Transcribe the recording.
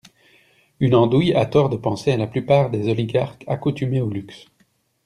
Une andouille a tort de penser à la plupart des oligarques accoutumés au luxe.